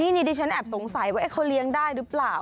นี่นี่ดิฉันแบบสงสัยว่าเนี่ยเค้าเลี้ยงได้หรือเปล่า